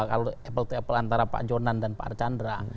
apple to apple antara pak jonan dan pak arcandra